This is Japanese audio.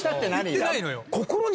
言ってないのよ。